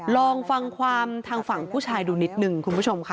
ลองฟังความทางฝั่งผู้ชายดูนิดหนึ่งคุณผู้ชมค่ะ